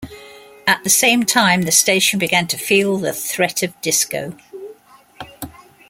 At the same time, the station began to feel the threat of disco.